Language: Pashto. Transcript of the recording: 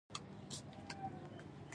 پیاز د تشو خوړو خوند زیاتوي